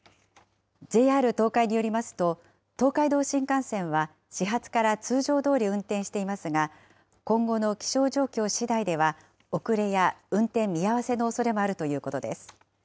ＪＲ東海によりますと、東海道新幹線は始発から通常どおり運転していますが、今後の気象状況しだいでは、遅れや運転見合わせのおそれもあるということです。